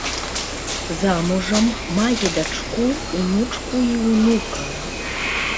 Замужам, мае дачку, унучку і ўнука.